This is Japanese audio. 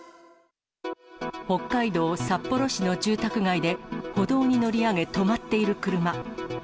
北海道札幌市の住宅街で、歩道に乗り上げ、止まっている車。